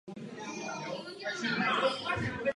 Po tomto roce zde přestala jezdit linka District Line.